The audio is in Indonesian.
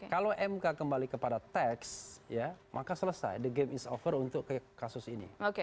kalau mk kembali kepada teks maka selesai the game is over untuk kasus ini